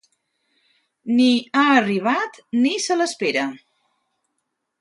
Ni ha arribat ni se l’espera.